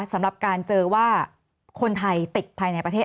สำหรับการเจอว่าคนไทยติดภายในประเทศ